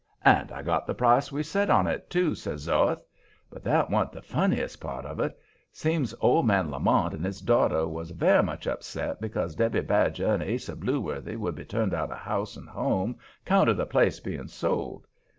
"And I got the price we set on it, too," says Zoeth. "But that wa'n't the funniest part of it. Seems's old man Lamont and his daughter was very much upset because Debby Badger and Ase Blueworthy would be turned out of house and home 'count of the place being sold.